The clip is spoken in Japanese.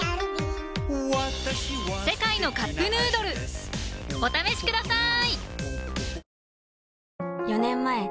「世界のカップヌードル」お試しください！